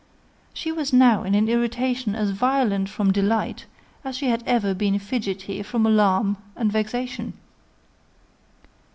She was now in an irritation as violent from delight as she had ever been fidgety from alarm and vexation.